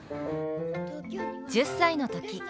１０歳の時。